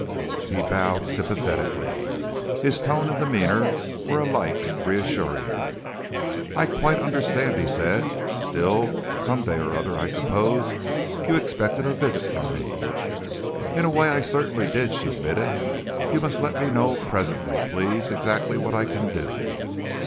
He bowed sympathetically. His tone and demeanour were alike reassuring. "I quite understand," he said. "Still, some day or other I suppose you expected a visit from me?" "In a way I certainly did," she admitted. "You must let me know presently, please, exactly what I can do.